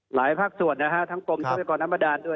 หลายภาคส่วนในกรมกรรมพิธีฐรนมดาร